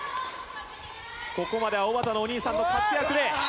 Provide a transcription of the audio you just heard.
ここまではおばたのお兄さんの活躍で。